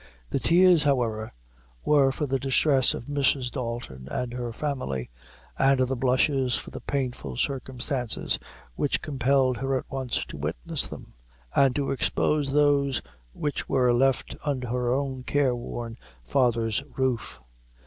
The tears, however, were for the distress of Mrs. Dalton and her family, and the blushes for the painful circumstances which compelled her at once to witness them, and to expose those which were left under her own careworn father's roof.